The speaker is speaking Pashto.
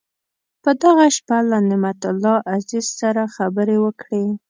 په دغه شپه له نعمت الله عزیز سره خبرې وکړې.